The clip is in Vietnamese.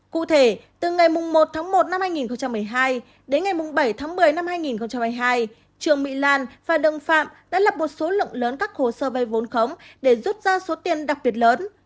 cụ thể từ ngày một một hai nghìn một mươi hai đến ngày bảy một mươi hai nghìn một mươi hai trương mỹ lan và đồng phạm đã lập một số lượng lớn các hồ sơ vay vốn khống để rút ra số tiền đặc biệt lớn